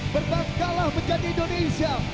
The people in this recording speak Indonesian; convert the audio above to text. berbangkalah menjadi indonesia